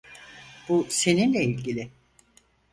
Bu seninle ilgili.